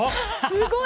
すごい！